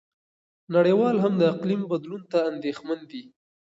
نړیوال هم د اقلیم بدلون ته اندېښمن دي.